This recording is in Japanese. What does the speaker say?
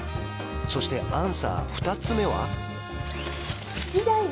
そしてアンサー２つ目は？